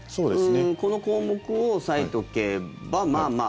この項目を押さえておけばまあまあ。